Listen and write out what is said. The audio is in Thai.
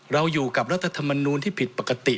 เราอยู่กับรัฐธรรมนูลที่ผิดปกติ